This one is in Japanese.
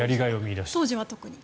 当時は特に。